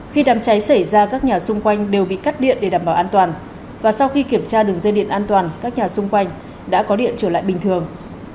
khi đám cháy xảy ra các nhà xung quanh đều bị cắt điện để đảm bảo an toàn và sau khi kiểm tra đường dây điện an toàn các nhà xung quanh đã có điện trở lại bình thường